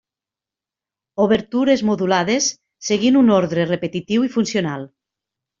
Obertures modulades seguint un ordre repetitiu i funcional.